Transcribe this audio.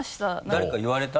誰か言われた？